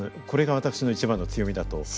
これが私の一番の強みだと。